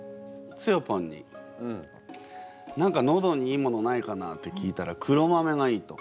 つよぽんに「何かのどにいいものないかな？」って聞いたら黒豆がいいと。